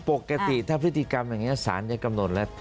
ปกติถ้าพฤติกรรมอย่างนี้สารจะกำหนดแล้ว